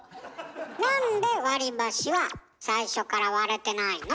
なんで割り箸は最初から割れてないの？